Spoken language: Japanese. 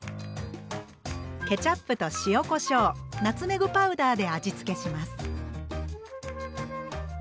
ケチャップと塩こしょうナツメグパウダーで味付けします。